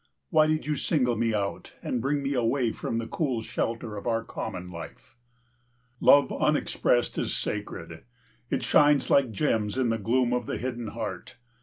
Why did you single me out and bring me away from the cool shelter of our common life? Love unexpressed in sacred. It shines like gems in the gloom of the hidden heart.